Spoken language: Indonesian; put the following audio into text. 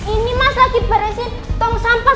ini mas lagi beresin tong sampah